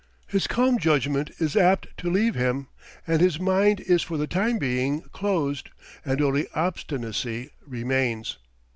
His calm judgment is apt to leave him, and his mind is for the time being closed, and only obstinacy remains.